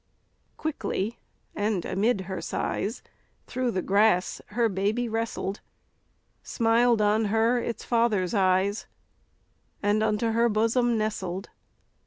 Quickly, and amid her sighs, Through the grass her baby wrestled, Smiled on her its father's eyes, And unto her bosom nestled.